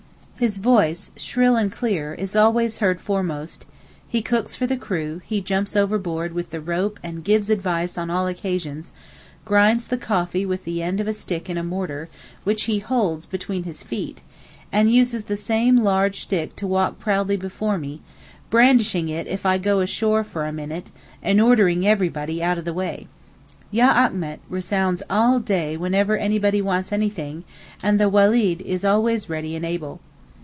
His voice, shrill and clear, is always heard foremost; he cooks for the crew, he jumps overboard with the rope and gives advice on all occasions, grinds the coffee with the end of a stick in a mortar, which he holds between his feet, and uses the same large stick to walk proudly before me, brandishing it if I go ashore for a minute, and ordering everybody out of the way. 'Ya Achmet!' resounds all day whenever anybody wants anything, and the 'weled' is always ready and able.